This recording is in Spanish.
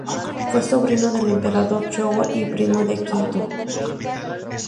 Fue sobrino del Emperador Shōwa y primo de Akihito.